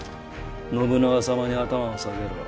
信長様に頭を下げろ。